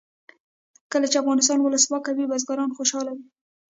کله چې افغانستان کې ولسواکي وي بزګران خوشحاله وي.